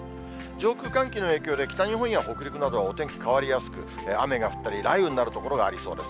上空、寒気の影響で北日本や北陸などはお天気変わりやすく、雨が降ったり雷雨になる所がありそうです。